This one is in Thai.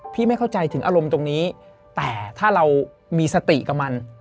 ไม่เข้าใจถึงอารมณ์ตรงนี้แต่ถ้าเรามีสติกับมัน